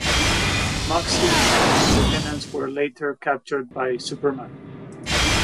Moxie and his lieutenants were later captured by Superman.